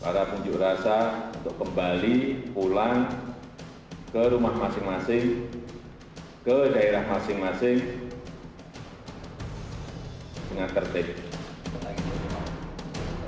para pengunjuk rasa untuk kembali pulang ke rumah masing masing ke daerah masing masing dengan tertib